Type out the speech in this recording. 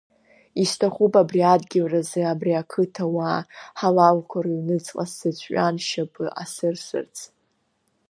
Исҭахуп абри адгьыл разы, абри ақыҭа уаа ҳалалқәа рыҩныҵҟа сыҵәҩан шьапы асырсырц.